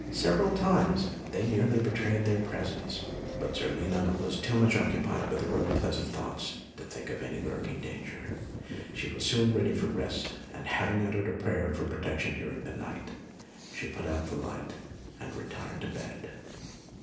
Several times they nearly betrayed their presence; but Zerlina was too much occupied with her own pleasant thoughts to think of any lurking danger. She was soon ready for rest; and having uttered a prayer for protection during the night, she put out the light and retired to bed.